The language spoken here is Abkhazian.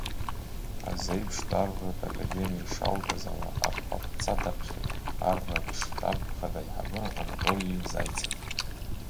Азеиԥштә Арратә Академиа ишалгаз ала Аԥҟаԥҵа даԥхьеит, Арратә штаб хада аиҳабы Анатолии Заицев.